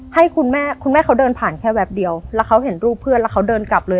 ให้คุณแม่คุณแม่เขาเดินผ่านแค่แป๊บเดียวแล้วเขาเห็นรูปเพื่อนแล้วเขาเดินกลับเลย